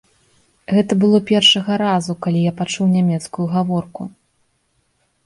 Гэта было першага разу, калі я пачуў нямецкую гаворку.